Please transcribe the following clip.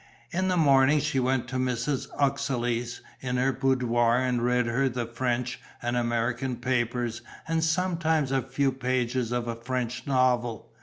In the mornings she went to Mrs. Uxeley in her boudoir and read her the French and American papers and sometimes a few pages of a French novel.